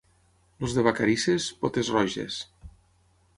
Els de Vacarisses, potes-roges.